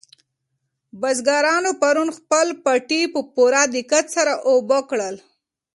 بزګرانو پرون خپل پټي په پوره دقت سره اوبه کړل.